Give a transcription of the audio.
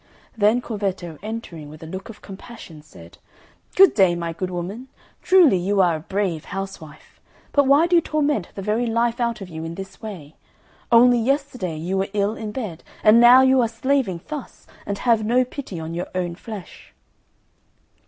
Then Corvetto entering, with a look of compassion, said, "Good day, my good woman! Truly, you are a brave housewife! But why do you torment the very life out of you in this way? Only yesterday you were ill in bed, and now you are slaving thus, and have no pity on your own flesh."